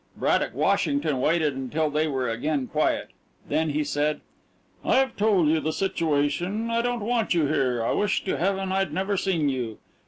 Braddock Washington waited until they were again quiet. Then he said: "I've told you the situation. I don't want you here, I wish to heaven I'd never seen you.